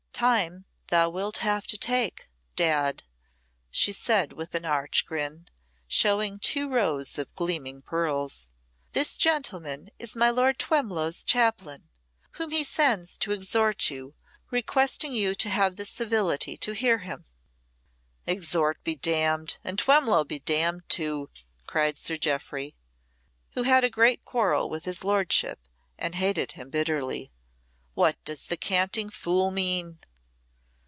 "Time thou wilt have to take, Dad," she said, with an arch grin, showing two rows of gleaming pearls. "This gentleman is my Lord Twemlow's chaplain, whom he sends to exhort you, requesting you to have the civility to hear him." "Exhort be damned, and Twemlow be damned too!" cried Sir Jeoffry, who had a great quarrel with his lordship and hated him bitterly. "What does the canting fool mean?"